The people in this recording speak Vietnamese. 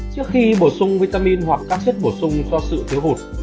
trước khi bổ sung vitamin hoặc các chất bổ sung cho sự thiếu hụt